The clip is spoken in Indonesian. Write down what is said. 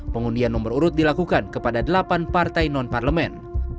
pengundian nomor urut dilakukan kepada delapan partai non parlemen